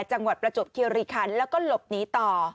จังหวัดประจบเขียวรีคันแล้วก็หลบหนีต่อ